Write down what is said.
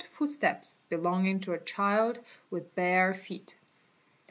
foot steps belonging to a child with bare feet.